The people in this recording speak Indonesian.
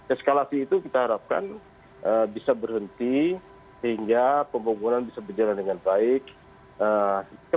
eskalasi itu kita harapkan bisa berhenti sehingga pembangunan bisa berjalan dengan baik